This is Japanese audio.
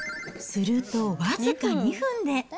すると僅か２分で。